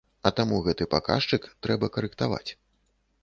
А таму гэты паказчык трэба карэктаваць.